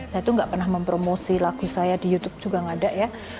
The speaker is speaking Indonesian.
saya tuh nggak pernah mempromosi lagu saya di youtube juga nggak ada ya